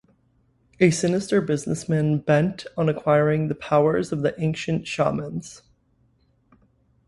A sinister businessman bent on acquiring the power of the ancient shamans.